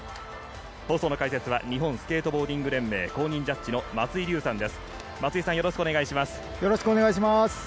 解説は日本スケートボーディング連盟公認ジャッジの松井立さんです。